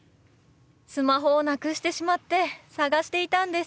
スマホをなくしてしまって探していたんです。